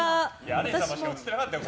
アレン様しか映ってなかったよ